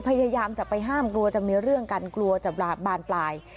พยายามจะไปห้ามกลัวจะมีเรื่องกันกลัวจะบานปลาย